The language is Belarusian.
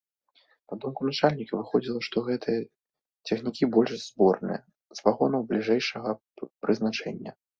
На думку начальніка, выходзіла, што гэтыя цягнікі больш зборныя, з вагонаў бліжэйшага прызначэння.